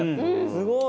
すごい！